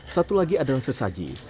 satu lagi adalah sesaji